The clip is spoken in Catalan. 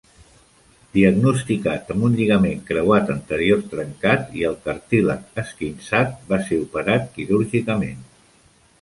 Diagnosticat amb un lligament creuat anterior trencat i el cartílag esquinçat, va ser operat quirúrgicament.